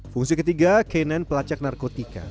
fungsi ketiga k sembilan pelacak narkotika